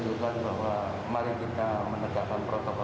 jika keadaan tidak baik kemudian kita tidak akan keseluruhan